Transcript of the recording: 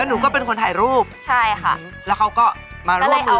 หนูก็เป็นคนถ่ายรูปใช่ค่ะแล้วเขาก็มาร่วมมือ